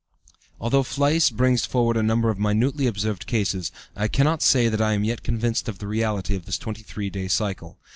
Although Fliess brings forward a number of minutely observed cases, I cannot say that I am yet convinced of the reality of this 23 day cycle.